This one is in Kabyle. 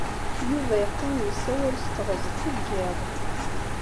Yuba yeqqim yessawal s teɣzef n yiḍ.